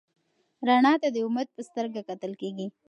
رڼا ته د امید په سترګه کتل کېږي.